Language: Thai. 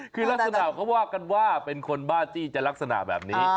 คือลักษณะเขาว่ากันว่าเป็นคนบ้าจี้จะลักษณะแบบนี้